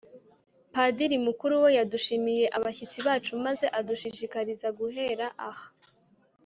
padiri mukuru we, yadushimiye abashyitsi bacu, maze adushishikariza guhera aha